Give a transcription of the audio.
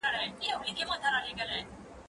زه به سبا پوښتنه کوم؟!